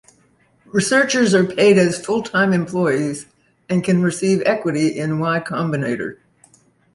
Researchers are paid as full-time employees and can receive equity in Y Combinator.